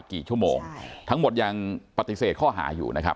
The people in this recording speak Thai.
กี่ชั่วโมงทั้งหมดยังปฏิเสธข้อหาอยู่นะครับ